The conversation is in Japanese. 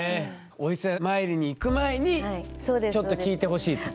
お伊勢参りに行く前にちょっと聞いてほしいと。